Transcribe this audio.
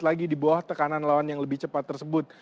lagi di bawah tekanan lawan yang lebih cepat tersebut